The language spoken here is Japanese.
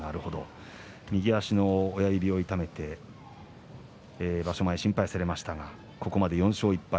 右の親指を痛めて場所前、心配されましたがここまで４勝１敗。